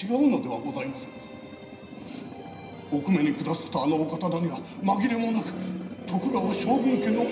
おくめにくださったあのお刀にはまぎれもなく徳川将軍家の紋所が！